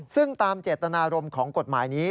ซึ่งตามเจตนารมณ์ของกฎหมายนี้